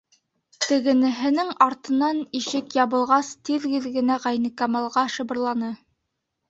Тегеһенең артынан ишек ябылғас, тиҙ-тиҙ генә Ғәйникамалға шыбырланы: